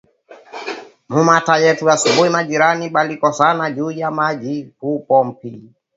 Mu muta yetu asubui majirani balikosana juya mayi ku pompi